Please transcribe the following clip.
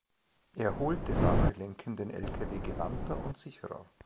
Erholte Fahrer lenken den Lkw gewandter und sicherer.